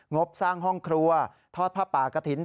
งบสร้างห้องครัวทอดผ้าป่ากระถิ่น